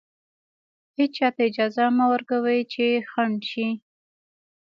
هېچا ته اجازه مه ورکوئ چې خنډ شي.